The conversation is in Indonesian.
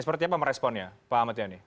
seperti apa meresponnya pak ahmad yani